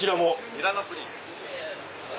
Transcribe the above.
ミラノプリン。